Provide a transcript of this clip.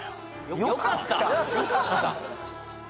・よかった？